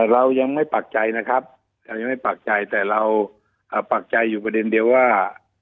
เรายังไม่ปักใจนะครับเรายังไม่ปากใจแต่เราปักใจอยู่ประเด็นเดียวว่า